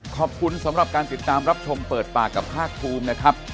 ขอบคุณสำหรับการติดตามรับชมเปิดปากกับภาคภูมินะครับ